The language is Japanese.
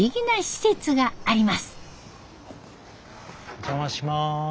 お邪魔します。